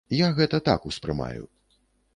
Я гэта так успрымаю.